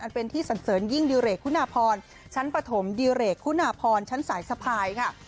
เป็นที่สันเสริญยิ่งดิเรกคุณพรชั้นปฐมดิเรกคุณาพรชั้นสายสะพายค่ะ